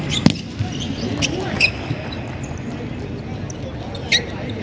สุภาธาใดที่๕๕รักษีบันแจกเงินภูมิ